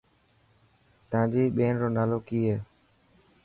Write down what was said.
تانجي ٻين رو نالو ڪي هي.